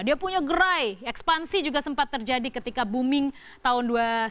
dia punya gerai ekspansi juga sempat terjadi ketika booming sejak tahun dua ribu sebelas